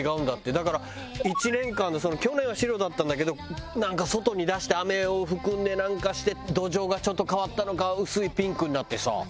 だから１年間で去年は白だったんだけどなんか外に出して雨を含んでなんかして土壌がちょっと変わったのか薄いピンクになってさ。